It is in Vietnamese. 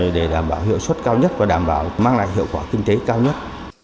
để đảm bảo hiệu suất cao nhất và đảm bảo mang lại hiệu quả kinh tế cao nhất